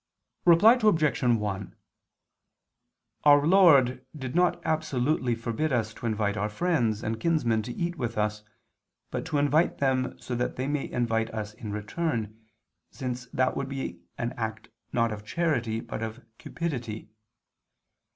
Reply Obj. 1: Our Lord did not absolutely forbid us to invite our friends and kinsmen to eat with us, but to invite them so that they may invite us in return, since that would be an act not of charity but of cupidity.